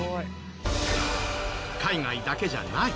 海外だけじゃない。